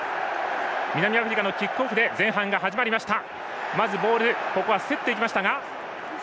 南アフリカのキックオフで前半が始まりました。